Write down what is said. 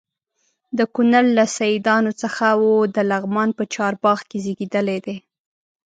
د کونړ له سیدانو څخه و د لغمان په چارباغ کې زیږېدلی دی.